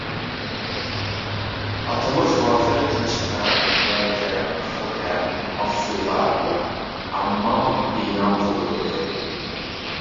ئاتىلىق غازى قەشقەر، يەكەن، خوتەن، ئاقسۇدا ھاممام بىنا قىلدۇردى.